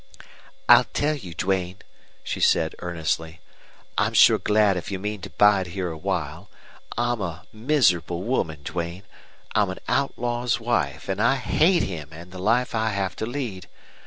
"I'll tell you, Duane," she said, earnestly, "I'm sure glad if you mean to bide here awhile. I'm a miserable woman, Duane. I'm an outlaw's wife, and I hate him and the life I have to lead.